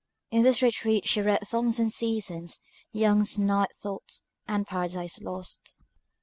In this retreat she read Thomson's Seasons, Young's Night Thoughts, and Paradise Lost.